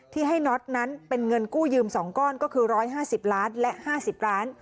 ที่ให้น็อตนั้นเป็นเงินกู้ยืม๒ก้อนก็คือ๑๕๐ล้านและ๕๐ล้าน